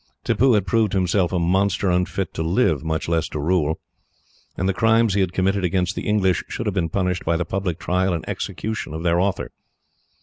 Tippoo had proved himself a monster unfitted to live, much less to rule, and the crimes he had committed against the English should have been punished by the public trial and execution of their author.